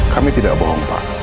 kami tidak bohong pak